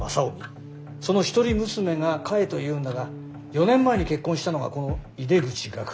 その一人娘が菓恵というんだが４年前に結婚したのがこの井出口岳。